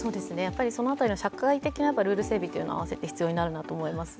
その辺りの社会的なルール整備はあわせて必要になると思います。